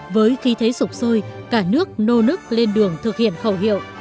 với khí thế sụp sôi cả nước nô nức lên đường thực hiện khẩu hiệu